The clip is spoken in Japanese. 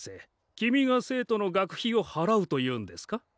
君が生徒の学費を払うというんですか？